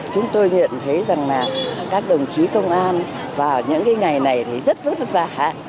chúng tôi nhận thấy rằng là các đồng chí công an vào những ngày này thì rất vất vả